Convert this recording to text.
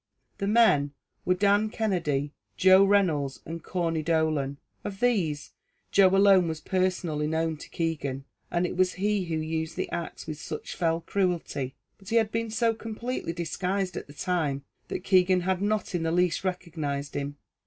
The men were Dan Kennedy, Joe Reynolds, and Corney Dolan; of these, Joe alone was personally known to Keegan, and it was he who used the axe with such fell cruelty; but he had been so completely disguised at the time, that Keegan had not in the least recognised him.